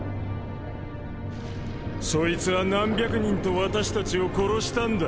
そいつは何百人と私たちを殺したんだ。